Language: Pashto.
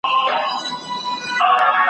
چي تر کور پوري به وړي د سپیو سپکه !.